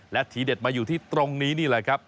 และทีเด็ดมาอยู่ที่ตรงนี้นี่แหละครับ